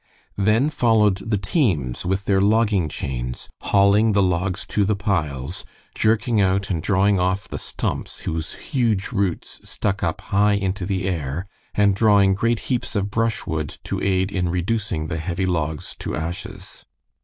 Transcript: Then followed the teams with their logging chains, hauling the logs to the piles, jerking out and drawing off the stumps whose huge roots stuck up high into the air, and drawing great heaps of brush wood to aid in reducing the heavy logs to ashes.